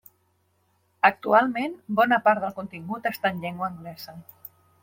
Actualment, bona part del contingut està en llengua anglesa.